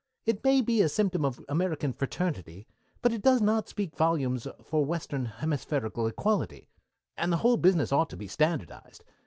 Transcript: It may be a symptom of American fraternity, but it does not speak volumes for Western Hemispherical equality, and the whole business ought to be standardized.